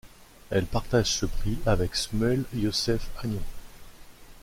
Elle partage ce prix avec Shmuel Yosef Agnon.